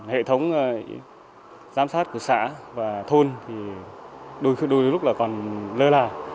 hệ thống giám sát của xã và thôn thì đôi lúc là còn lơ là